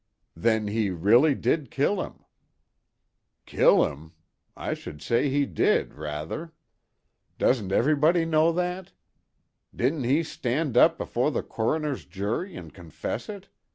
"Then he really did kill him." "Kill 'im? I should say he did, rather. Doesn't everybody know that? Didn't he stan' up before the coroner's jury and confess it?